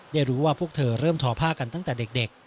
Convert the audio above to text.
ได้รู้ว่าพวกเธอเริ่มทอผ้ากันตั้งแต่เด็ก